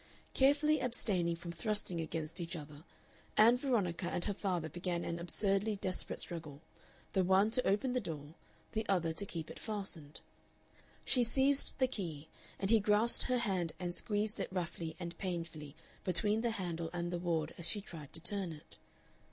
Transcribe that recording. Carefully abstaining from thrusting against each other, Ann Veronica and her father began an absurdly desperate struggle, the one to open the door, the other to keep it fastened. She seized the key, and he grasped her hand and squeezed it roughly and painfully between the handle and the ward as she tried to turn it.